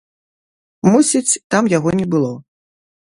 Мусіць, там яго не было.